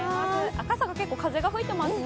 赤坂、結構風が吹いていますね。